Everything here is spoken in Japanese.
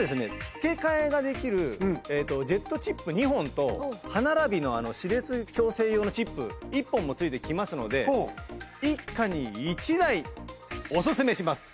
付け替えができるジェットチップ２本と歯並びの歯列矯正用のチップ１本もついてきますので一家に一台おすすめします！